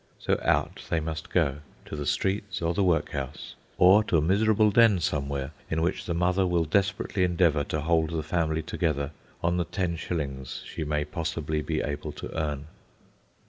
So out they must go, to the streets or the workhouse, or to a miserable den, somewhere, in which the mother will desperately endeavour to hold the family together on the ten shillings she may possibly be able to earn.